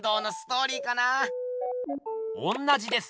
おんなじです。